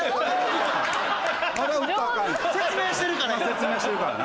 説明してるから。